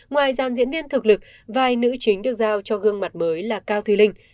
ngoài giàn diễn viên thực lực vai nữ chính được giao cho gương mặt mới là cao thùy linh